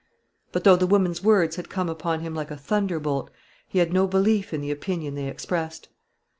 But though the woman's words had come upon him like a thunderbolt, he had no belief in the opinion they expressed.